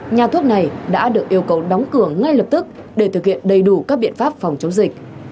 nhà thuốc này đã được yêu cầu đóng cửa ngay lập tức để thực hiện đầy đủ các biện pháp phòng chống dịch